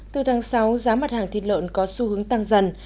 từ tháng sáu giá mặt hàng thịt lợn có xu hướng tăng dần